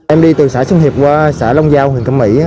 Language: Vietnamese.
em đi từ xã xuân hiệp qua xã long giao huyện cẩm mỹ